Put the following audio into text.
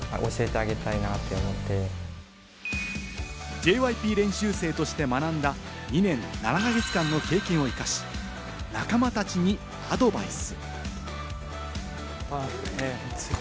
ＪＹＰ練習生として学んだ２年７か月間の経験を生かし、仲間たちにアドバイス。